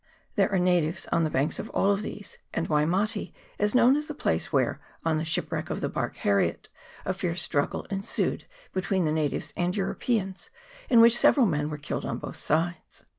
There are natives on the banks of all these, and Waimate is knowi as the place where, on the shipwreck of the barque Harriet, a fierce struggle ensued between the natives and Europeans, in which several men were killed on both sides.